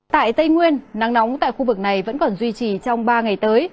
tại tây nguyên nắng nóng tại khu vực này vẫn còn duy trì trong ba ngày tới